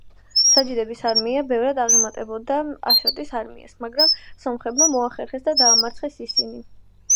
საჯიდების არმია ბევრად აღემატებოდა აშოტის არმიას, მაგრამ სომხებმა მოახერხეს და დაამარცხეს ისინი.